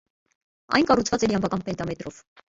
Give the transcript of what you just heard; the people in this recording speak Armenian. Այն կառուցված էր յամբական պենտամետրով։